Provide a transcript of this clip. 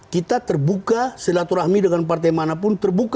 kita terbuka silaturahmi dengan partai manapun terbuka